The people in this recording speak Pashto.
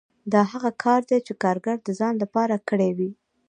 دا هغه کار دی چې کارګر د ځان لپاره کړی وي